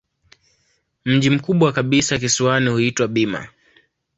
Mji mkubwa kabisa kisiwani huitwa Bima.